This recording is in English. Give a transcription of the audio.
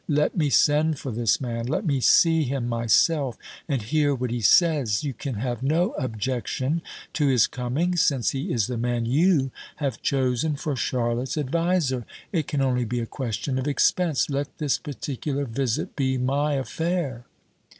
Let me send for this man. Let me see him myself, and hear what he says. You can have no objection to his coming, since he is the man you have chosen for Charlotte's adviser? It can only be a question of expense. Let this particular visit be my affair."